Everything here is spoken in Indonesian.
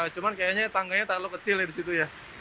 cuman kayaknya tangganya terlalu kecil ya di situ ya